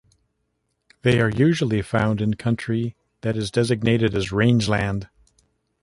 They are usually found in country that is designated as rangeland.